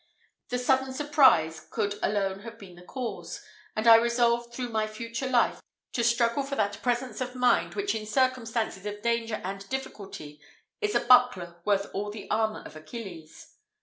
The sudden surprise could alone have been the cause, and I resolved through my future life, to struggle for that presence of mind which in circumstances of danger and difficulty is a buckler worth all the armour of Achilles.